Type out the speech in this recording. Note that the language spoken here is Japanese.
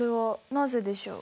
なぜでしょう？